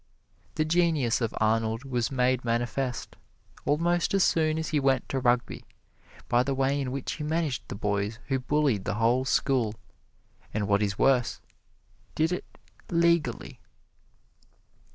The genius of Arnold was made manifest, almost as soon as he went to Rugby, by the way in which he managed the boys who bullied the whole school, and what is worse, did it legally.